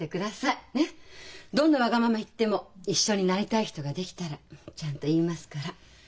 どんなわがまま言っても一緒になりたい人が出来たらちゃんと言いますから。